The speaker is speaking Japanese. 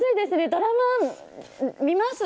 ドラマ見ます！